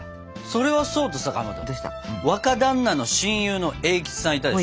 それはそうとさかまど若だんなの親友の栄吉さんいたでしょ？